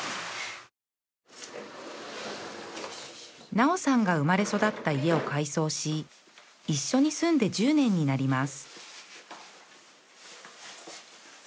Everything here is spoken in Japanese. なおさんが生まれ育った家を改装し一緒に住んで１０年になります